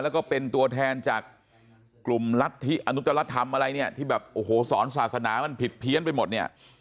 แล้วก็เป็นตัวแทนจากกลุ่มรัฐธิอนุจรธรรมอะไรเนี่ยที่แบบโอ้โหสอนศาสนามันผิดเพี้ยนไปหมดเนี่ย